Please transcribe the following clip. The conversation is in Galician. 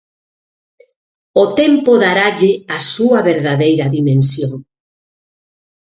O tempo daralle a súa verdadeira dimensión.